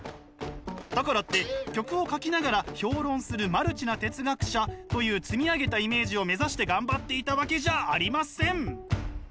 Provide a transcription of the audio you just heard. だからって曲を書きながら評論するマルチな哲学者という積み上げたイメージを目指して頑張っていたわけじゃありません！